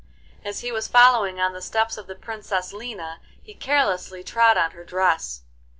As he was following on the steps of the Princess Lina, he carelessly trod on her dress.